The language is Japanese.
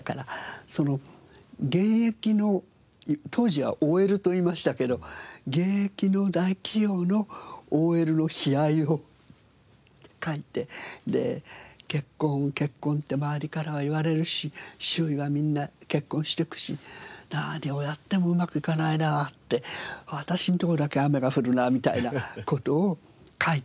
その現役の当時はＯＬといいましたけど現役の大企業のＯＬの悲哀を書いて結婚結婚って周りからは言われるし周囲はみんな結婚していくし何をやってもうまくいかないなって私のところだけ雨が降るなみたいな事を書いたんです。